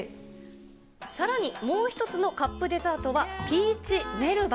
さらに、もう一つのカップデザートは、ピーチメルバ。